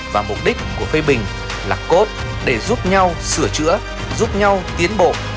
và mục đích của phê bình là cốt để giúp nhau sửa chữa giúp nhau tiến bộ